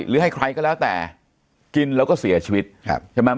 หรือให้ใครก็แล้วแต่กินแล้วก็เสียชีวิตใช่ไหม